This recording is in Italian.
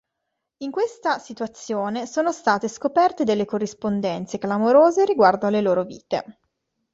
In questa situazione sono state scoperte delle corrispondenze clamorose riguardo alle loro vite.